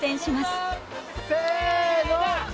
せの！